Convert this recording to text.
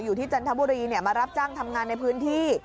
จันทบุรีมารับจ้างทำงานในพื้นที่